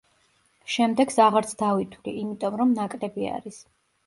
შემდეგს აღარც დავითვლი იმიტომ, რომ ნაკლები არის.